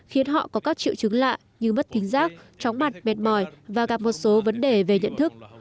khiến họ có các triệu chứng lạ như mất thính giác chóng mặt mệt mỏi và gặp một số vấn đề về nhận thức